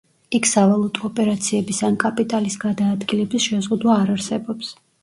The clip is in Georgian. იქ სავალუტო ოპერაციების ან კაპიტალის გადაადგილების შეზღუდვა არ არსებობს.